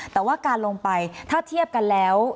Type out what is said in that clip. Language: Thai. แต่ว่าการลงไปถ้าเทียบกันแล้ว